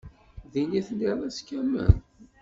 Din i telliḍ ass kamel?